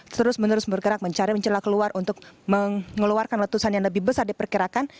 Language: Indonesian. terus menerus bergerak mencari mencela keluar untuk mengeluarkan letusan yang lebih besar diperkirakan